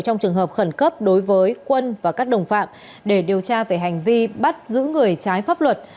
trong trường hợp khẩn cấp đối với quân và các đồng phạm để điều tra về hành vi bắt giữ người trái pháp luật